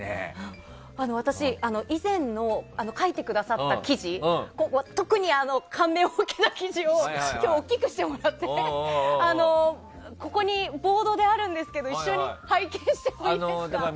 私、以前書いてくださった記事特に感銘を受けた記事を大きくしてもらってここにボードであるんですけど一緒に拝見してもいいですか？